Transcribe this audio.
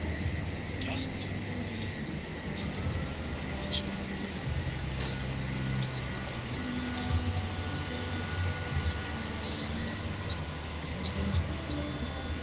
"Who doesn't admire him?" she said, worshiping the portrait of Hitz. It was the portrait of a tanned, white haired, omnipotent Zeus, two hundred and forty years old.